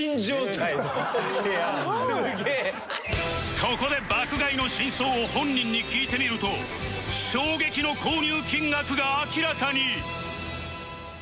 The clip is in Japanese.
ここで爆買いの真相を本人に聞いてみると衝撃の購入金額が明らかに！